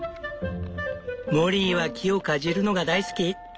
モリーは木をかじるのが大好き。